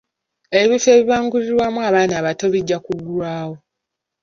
Ebifo ebibangulirwamu abaana abato bijja kuggulwawo.